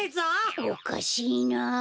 おかしいなあ。